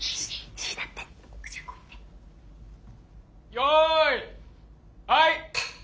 よいはい！